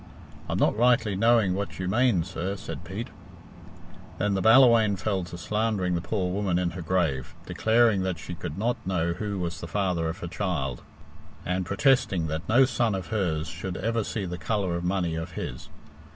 "I'm not rightly knowing what you mane, sir," said Pete. Then the Ballawhaine fell to slandering the poor woman in her grave, declaring that she could not know who was the father of her child, and protesting that no son of hers should ever see the colour of money of his.